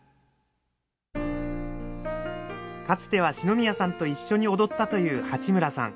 かつては四宮さんと一緒に踊ったという八村さん。